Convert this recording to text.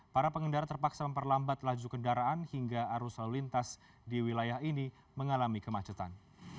para pengendara terpaksa memperlambat laju kendaraan hingga arus lalu lintas di wilayah ini mengalami kemacetan